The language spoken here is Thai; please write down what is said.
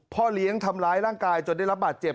พ่อเลี้ยงทำร้ายร่างกายจนได้รับบาดเจ็บ